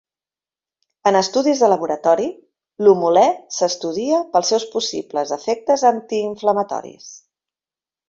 En estudis de laboratori, l'humulè s'estudia pels seus possibles efectes antiinflamatoris.